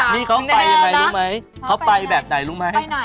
นี่เขาไปยังไงรู้ไหมเขาไปแบบไหนรู้ไหม